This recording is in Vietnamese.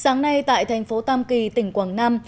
sáng nay tại thành phố tam kỳ tỉnh quảng nam